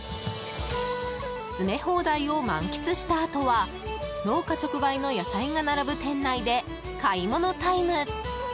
詰め放題を満喫したあとは農家直売の野菜が並ぶ店内で買い物タイム。